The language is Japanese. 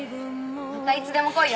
またいつでも来いよ。